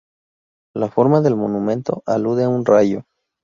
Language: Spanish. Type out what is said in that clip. La forma del monumento alude a un rayo.